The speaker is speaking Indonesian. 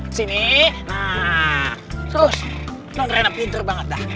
terus nondrena pinter banget dah